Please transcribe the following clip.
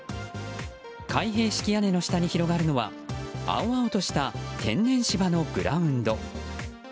開閉式屋根の下に広がるのは青々とした天然芝のグラウンド。